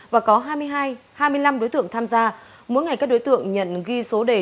và có hai mươi hai hai mươi năm đối tượng tham gia mỗi ngày các đối tượng nhận ghi số đề